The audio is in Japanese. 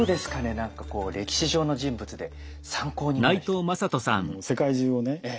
何かこう歴史上の人物で参考になる人って。